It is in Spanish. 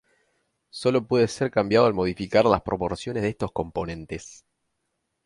Sólo puede ser cambiado al modificar las proporciones de estos componentes.